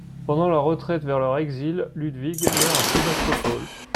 Pendant la retraite vers leur exil, Ludwig meurt à Sébastopol.